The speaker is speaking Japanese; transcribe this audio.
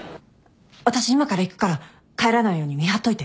私今から行くから帰らないように見張っといて。